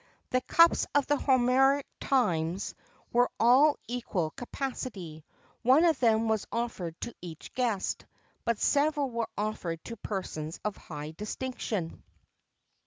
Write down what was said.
The cups of the Homeric times were all of equal capacity; one of them was offered to each guest, but several were offered to persons of high distinction.